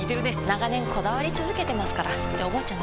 長年こだわり続けてますからっておばあちゃん